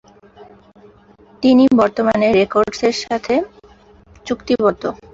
তিনি বর্তমানে রেকর্ডসের সাথে চুক্তিবদ্ধ।